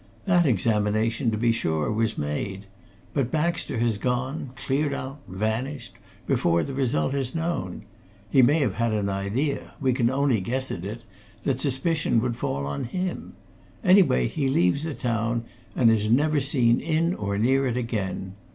That examination, to be sure, was made. But Baxter has gone, cleared out, vanished, before the result is known. He may have had an idea we can only guess at it that suspicion would fall on him. Anyway, he leaves the town, and is never seen in or near it again.